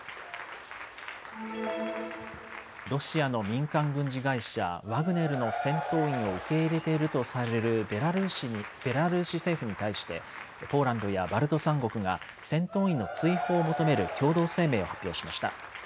ロシアの民間軍事会社、ワグネルの戦闘員を受け入れているとされるベラルーシ政府に対してポーランドやバルト三国が戦闘員の追放を求める共同声明を発表しました。